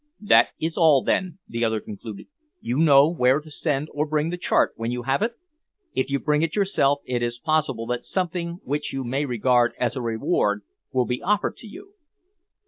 "That is all, then," the other concluded. "You know where to send or bring the chart when you have it? If you bring it yourself, it is possible that something which you may regard as a reward, will be offered to you."